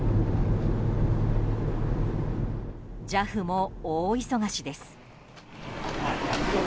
ＪＡＦも大忙しです。